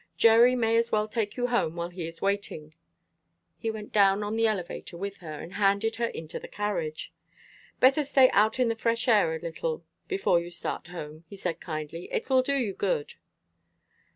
Jerry may as well take you home while he is waiting." He went down on the elevator with her, and handed her into the carriage. "Better stay out in the fresh air a little before you start home," he said, kindly. "It will do you good."